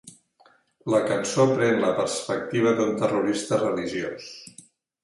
La cançó pren la perspectiva d'un terrorista religiós.